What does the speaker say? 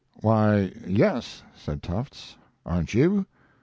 "Why, yes," said Tufts; "aren't you?"